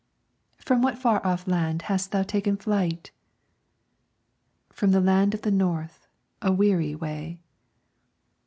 "From what far off land hast thou taken flight?" "From the land of the North, a weary way."